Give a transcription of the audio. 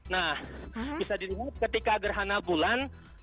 nah bisa dilihat ketika gerhana bulan